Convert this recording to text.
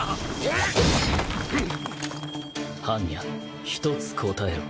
般若一つ答えろ。